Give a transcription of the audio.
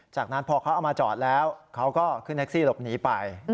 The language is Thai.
จากนั้นพอเขาเอามาจอดแล้วเขาก็ขึ้นแท็กซี่หลบหนีไป